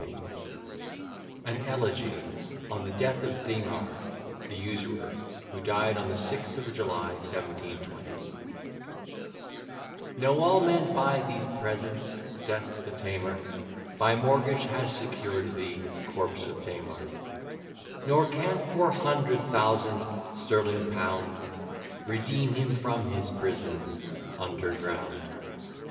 B_.] AN ELEGY ON THE DEATH OF DEMAR, THE USURER; WHO DIED ON THE 6TH OF JULY, 1720 Know all men by these presents, Death, the tamer, By mortgage has secured the corpse of Demar; Nor can four hundred thousand sterling pound Redeem him from his prison underground.